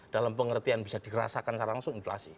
dalam pengertian bisa dirasakan secara langsung inflasi